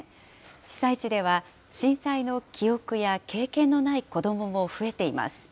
被災地では、震災の記憶や経験のない子どもも増えています。